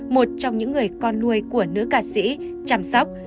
một trong những người con nuôi của nữ ca sĩ chăm sóc